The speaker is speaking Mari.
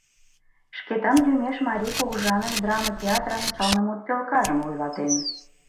Шкетан лӱмеш Марий кугыжаныш драме театрын сылнымут пӧлкажым вуйлатен.